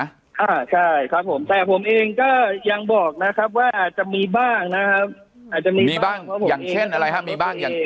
อ่าใช่ครับผมแต่ผมเองก็ยังบอกนะครับว่าอาจจะมีบ้างนะครับอาจจะมีมีบ้างอย่างเช่นอะไรครับมีบ้างอย่าง